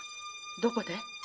どこで？